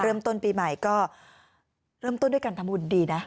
เริ่มต้นปีใหม่ก็เริ่มต้นด้วยการทำบุญดีนะ